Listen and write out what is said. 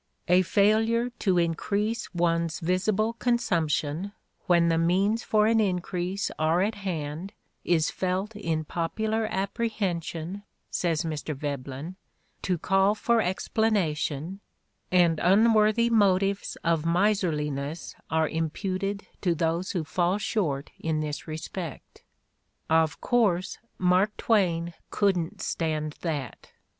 "A failure to increase one's visible consumption when the means for an increase are at hand is felt in popular apprehen sion," says Mr. Veblen, "to call for explanation, and unworthy motives of miserliness are imputed to those who fall short in this respect." Of course Mark Twain couldn't stand that!